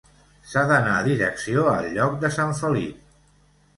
S'ha d'anar direcció al lloc de Sant Felip.